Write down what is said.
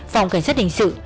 phòng cảnh sát hình sự